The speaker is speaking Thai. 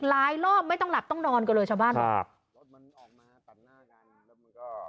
หลายรอบไม่ต้องหลับต้องนอนกันเลยชาวบ้านครับ